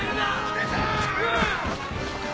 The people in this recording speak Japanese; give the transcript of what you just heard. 出た！